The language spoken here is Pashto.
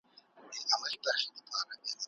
د غنمو د پاکولو ماشین په کار بوخت و.